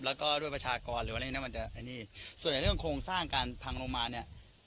แล้วก็ด้วยประชากรหรืออะไรอย่างนี้มันจะอันนี้ส่วนในเรื่องโครงสร้างการพังลงมาเนี้ย